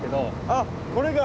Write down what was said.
あこれが。